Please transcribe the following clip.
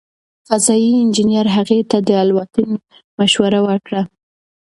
فضايي انجنیر هغې ته د الوتنې مشوره ورکړه.